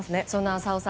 浅尾さん